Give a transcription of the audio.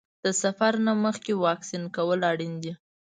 د سفر نه مخکې واکسین کول اړین دي.